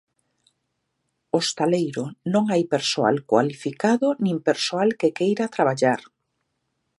Hostaleiro Non hai persoal cualificado nin persoal que queira traballar.